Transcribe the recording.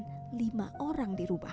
tapi sehingga orang dirubah